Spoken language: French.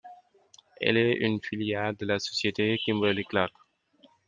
Elle est une filiale de la société Kimberly-Clark.